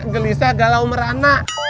gelisah galau merana